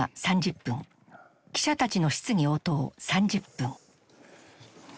記者たちの質疑応答３０分。